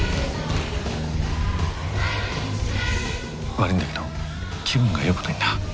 悪いんだけど気分がよくないんだ。